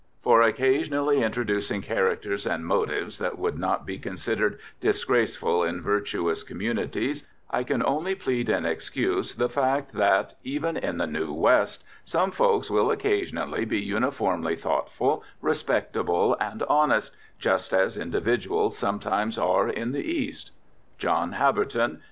For occasionally introducing characters and motives that would not be considered disgraceful in virtuous communities, I can only plead in excuse the fact that, even in the New West, some folks will occasionally be uniformly thoughtful, respectable and honest, just as individuals sometimes are in the East. JOHN HABBERTON.